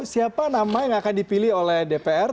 siapa nama yang akan dipilih oleh dpr